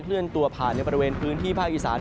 เลื่อนตัวผ่านในบริเวณพื้นที่ภาคอีสาน